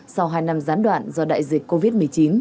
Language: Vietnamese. sau hai năm gián đoạn do đại dịch covid một mươi chín